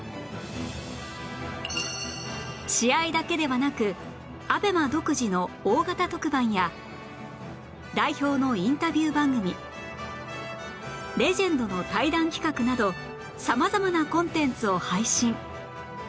試合だけではなく ＡＢＥＭＡ 独自の大型特番や代表のインタビュー番組レジェンドの対談企画など様々なコンテンツを配信